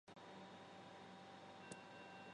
苯基三甲基氟化铵是一种季铵盐。